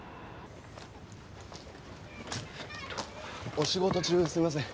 お仕事中すみません。